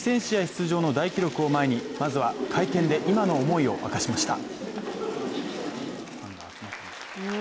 出場の大記録を前にまずは会見で今の思いを明かしました。